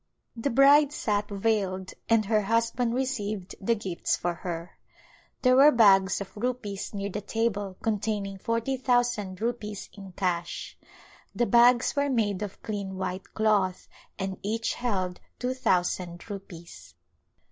The bride sat veiled and her husband received the gifts for her. There were bags of rupees near the table containing forty thousand rupees in cash. The bags were made of clean white cloth and each held two thousand rupees.